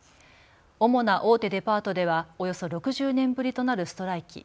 主な大手デパートではおよそ６０年ぶりとなるストライキ。